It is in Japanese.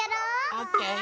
オッケー！